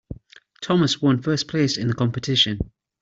Thomas one first place in the competition.